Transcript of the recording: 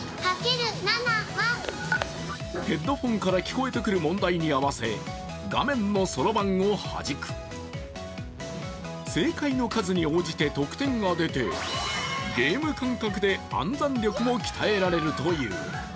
ヘッドホンから聞こえてくる問題に合わせ、画面のそろばんをはじく正解の数に応じて得点が出て、ゲーム感覚で暗算力も鍛えられるという。